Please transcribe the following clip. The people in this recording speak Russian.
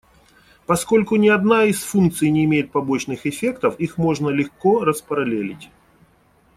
Поскольку ни одна из функций не имеет побочных эффектов, их можно легко распараллелить.